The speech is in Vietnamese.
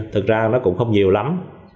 thật ra nó cũng không nhiều lắm